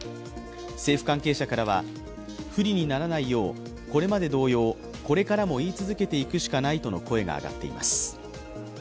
政府関係者からは、不利にならないようこれまで同様これからも言い続けていくしかないとの声が上がっています。